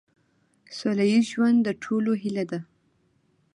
سوله ایز ژوند د ټولو هیله ده.